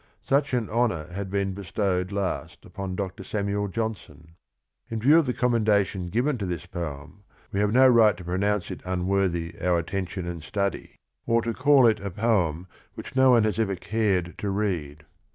Such an honor had been bestowed last upon Dr. Samuel Johnson. In view of the commendation given to this poem, we have no right to pronounce it unworthy our attention and study or to call it a poem which no one has ever cared to read.